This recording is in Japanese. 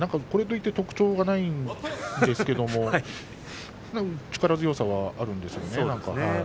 これといった特徴はないんですけれど力強さがあるんですよね。